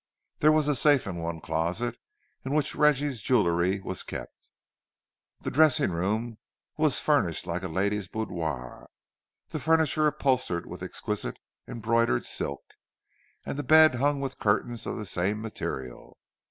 There was a safe in one closet, in which Reggie's jewellery was kept. The dressing room was furnished like a lady's boudoir, the furniture upholstered with exquisite embroidered silk, and the bed hung with curtains of the same material.